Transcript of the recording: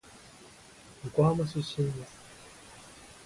横浜出身です。